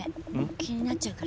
気になっちゃうから。